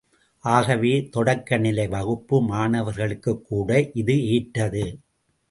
ஆகவே, தொடக்கநிலை வகுப்பு மாணவர்களுக்குக்கூட இது ஏற்றது.